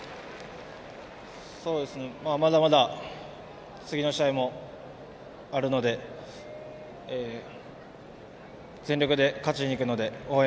まだまだ次の試合もあるので全力で勝ちに行くので応援